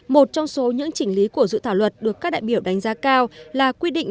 một trong số những chỉnh lý của dự thảo luật được các đại biểu đánh giá cao là quy định